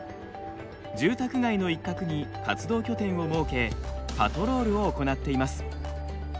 住宅街の一角に活動拠点を設けパトロールを行っています。